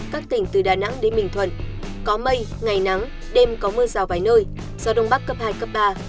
các tỉnh từ đà nẵng đến bình thuận có mây ngày nắng đêm có mưa rào vài nơi gió đông bắc cấp hai cấp ba